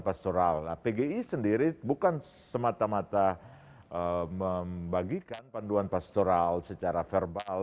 pgi sendiri bukan semata mata membagikan panduan pastoral secara verbal